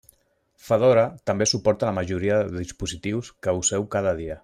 Fedora també suporta la majoria de dispositius que useu cada dia.